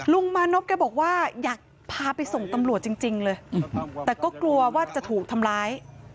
ลุงมานพแกบอกว่าอยากพาไปส่งตำรวจจริงเลยแต่ก็กลัวว่าจะถูกทำร้าย